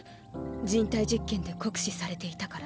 人体実験で酷使されていたから。